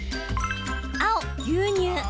青・牛乳。